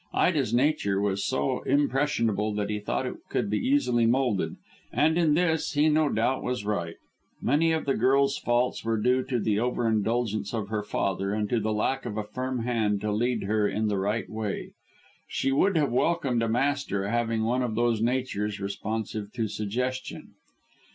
Ida's nature was so impressionable that he thought it could be easily moulded, and in this he no doubt was right. Many of the girl's faults were due to the over indulgence of her father, and to the lack of a firm hand to lead her in the right way. She would have welcomed a master, having one of those natures responsive to suggestion.